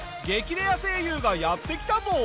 レア声優がやって来たぞ。